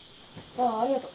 ああありがと。